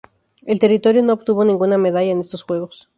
El territorio no obtuvo ninguna medalla en estos Juegos.